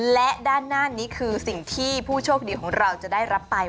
และด้านหน้านี้คือสิ่งที่ผู้โชคดีของเราจะได้รับไป